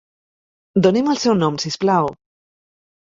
Doni'm el seu nom, si us plau.